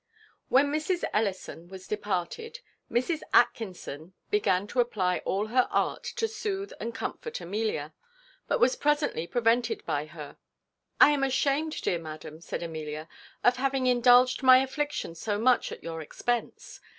_ When Mrs. Ellison was departed, Mrs. Atkinson began to apply all her art to soothe and comfort Amelia, but was presently prevented by her. "I am ashamed, dear madam," said Amelia, "of having indulged my affliction so much at your expense.